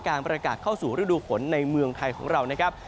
ประกาศเข้าสู่ฤดูฝนในเมืองไทยของเรานะครับ